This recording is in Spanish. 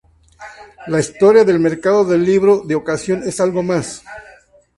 La historia del Mercado del Libro de Ocasión es algo más.